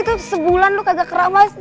itu sebulan lo kagak